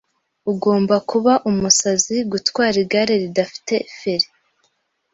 Ugomba kuba umusazi gutwara igare ridafite feri!